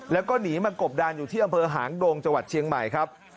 แล้วก็หนีมากบดานอยู่ที่อำเภอหางดงจังหวัดเชียงใหม่ครับ